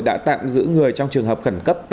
đã tạm giữ người trong trường hợp khẩn cấp